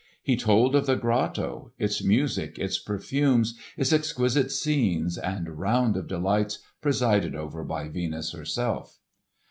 He told of the grotto, its music, its perfumes, its exquisite scenes and round of delights presided over by Venus herself.